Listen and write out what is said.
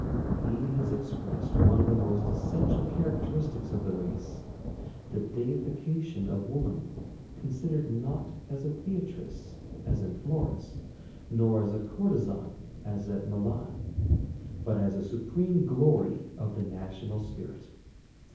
He has expressed one of the most essential characteristics of the race, the deification of woman, considered not as a Beatrice as in Florence, nor as a courtesan as at Milan, but as a supreme glory of the national spirit.